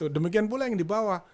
demikian pula yang di bawah